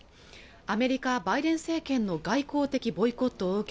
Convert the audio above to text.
アメリカバイデン政権の外交的ボイコットを受け